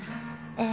ええ。